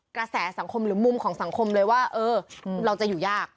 กระแสสังคมหรือมุมของสังคมเลยว่าเออเราจะอยู่ยาก